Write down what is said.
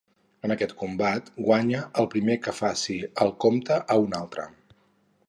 En aquest combat guanya el primer que faci el compte a un altre.